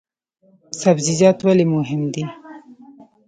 سبزیجات ولې مهم دي؟